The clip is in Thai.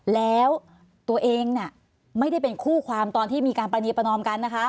แล้วตัวเองไม่ได้เป็นคู่ความตอนที่มีการประนีประนอมกันนะคะ